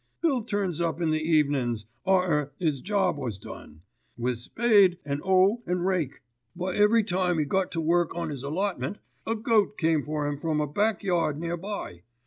Bill turns up in the evenin's, arter 'is job was done, wi' spade an' 'oe an' rake. But every time 'e got to work on 'is allotment, a goat came for 'im from a back yard near by.